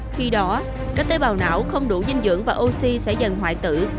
khi đó các tế bào não không đủ dinh dưỡng và oxy sẽ dần hoại tử